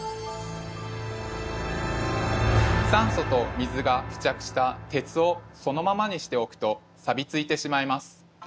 酸素と水が付着した鉄をそのままにしておくとさびついてしまいます。